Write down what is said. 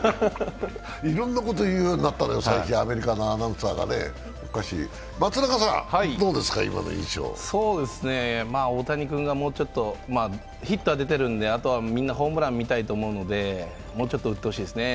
いろんなことを言うようになったのよ、最近、アメリカのアナウンサーがね大谷君がもうちょっと、ヒットは出てるんであとはみんなホームラン見たいと思うのでもうちょっと打ってほしいですね。